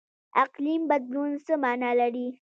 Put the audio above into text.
اقلیم بدلون څه مانا لري؟